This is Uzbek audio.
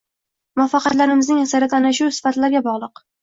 Muvaffaqiyatlarimizning aksariyati aynan shu sifatlarga bog‘liq.